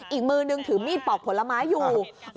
อีกมือนึงถือมีดปอกผลไม้อยู่